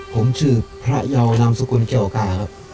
ผมชื่อพระยาวนำสกุลเกี่ยวกา